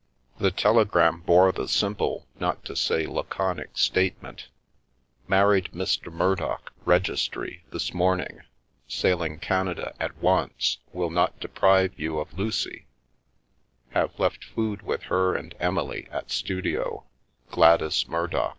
The telegram bore the simple, not to say, laconic state ment :" Married Mr Murdock registry this morning sailing Canada at once will not deprive you of Lucy have left food with her and Emily at studio Gladys Mur dock."